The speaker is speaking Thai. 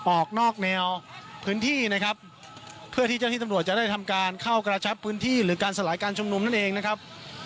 ออกนอกแนวพื้นที่นะครับเพื่อที่เจ้าที่ตำรวจจะได้ทำการเข้ากระชับพื้นที่หรือการสลายการชุมนุมนั่นเองนะครับ